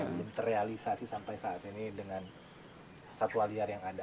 belum terrealisasi sampai saat ini dengan satwa liar yang ada